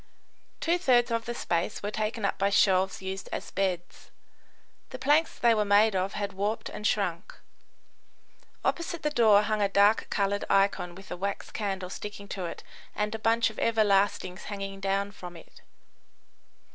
Two thirds of the space were taken up by shelves used as beds. The planks they were made of had warped and shrunk. Opposite the door hung a dark coloured icon with a wax candle sticking to it and a bunch of everlastings hanging down from it.